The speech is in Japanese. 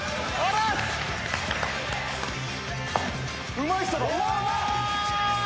うまい人だ。